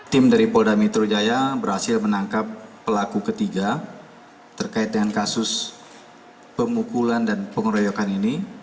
tim dari polda metro jaya berhasil menangkap pelaku ketiga terkait dengan kasus pemukulan dan pengeroyokan ini